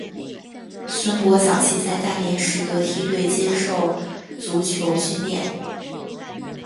孙铂早期在大连实德梯队接受足球训练。